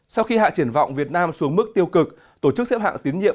sau khi hạ triển vọng việt nam xuống mức tiêu cực tổ chức xếp hạng tiến nhiệm